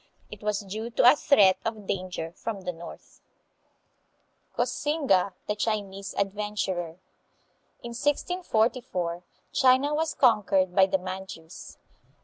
It was due to a threat of danger from the north. Koxinga the Chinese Adventurer. In 1644, China was conquered by the Manchus.